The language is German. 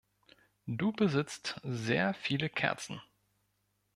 Du besitzt sehr viele Kerzen.